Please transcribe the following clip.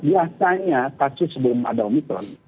biasanya kasus sebelum ada omikron